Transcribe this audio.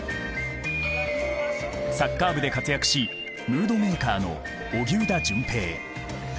サッカー部で活躍しムードメーカーの荻生田隼平。